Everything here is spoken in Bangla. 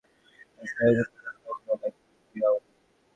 তথ্যটি ইসরাঈলীটি প্রকাশ করেছিল, না-কি ফিরআউনী?